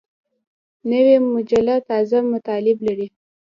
نوې مجله تازه مطالب لري